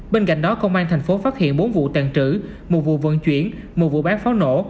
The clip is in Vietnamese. bên cạnh đó công an thành phố phát hiện bốn vụ tàn trữ một vụ vận chuyển một vụ bán pháo nổ